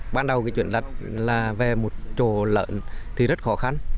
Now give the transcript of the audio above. ban đầu chuyển đất về một trồ lợn rất khó khăn